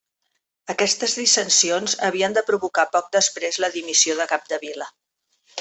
Aquestes dissensions havien de provocar poc després la dimissió de Capdevila.